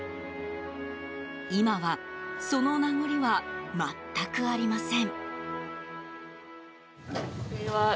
今はそのなごりは全くありません。